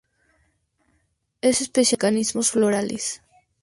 Es especialista en mecanismos florales.